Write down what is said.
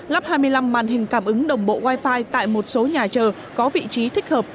lắp hai mươi năm màn hình cảm ứng đồng bộ wifi tại một số nhà chờ có vị trí thích hợp